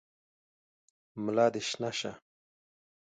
ملا دي شنه شه !